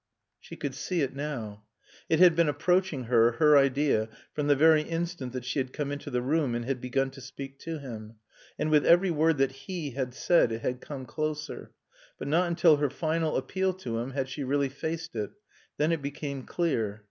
She could see it now. It had been approaching her, her idea, from the very instant that she had come into the room and had begun to speak to him. And with every word that he had said it had come closer. But not until her final appeal to him had she really faced it. Then it became clear.